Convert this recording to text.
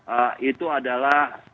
ee itu adalah